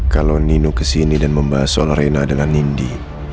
kalau nino kesini dan membahas soal rena dengan nindi